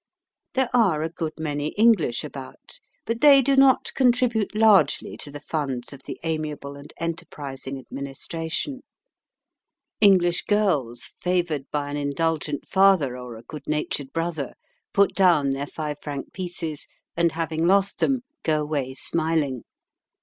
There are a good many English about, but they do not contribute largely to the funds of the amiable and enterprising Administration. English girls, favoured by an indulgent father or a good natured brother, put down their five franc pieces, and, having lost them, go away smiling.